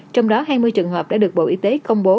trong đó hai mươi trường hợp đã được bộ y tế công bố